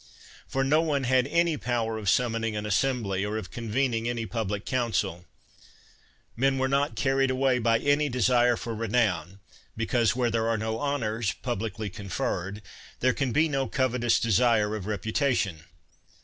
For no one had any power of summoning an assembly, or of convening any public council. Men were not carried away by any desire for renown, because where there are. no honors publicly conferred, there can be 88 CICERO no covetous desire of reputation.